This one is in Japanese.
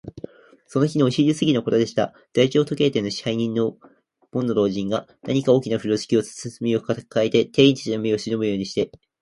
その日のお昼すぎのことでした。大鳥時計店の支配人の門野老人が、何か大きなふろしき包みをかかえて、店員たちの目をしのぶようにして、